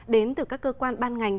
đến từ các cơ quan ban ngành